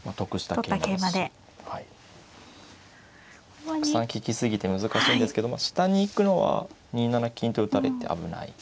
たくさん利き過ぎて難しいんですけど下に行くのは２七金と打たれて危ない。